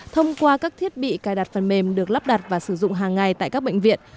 thông qua các thiết bị cài đặt phần mềm được lắp đặt và sử dụng hàng ngày tại các bệnh viện